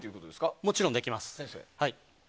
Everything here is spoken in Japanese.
もちろんできます。